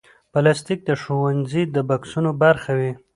پلاستيک د ښوونځي د بکسونو برخه وي.